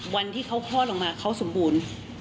วันที่เขาคลอดลงมาเขาสมบูรณ์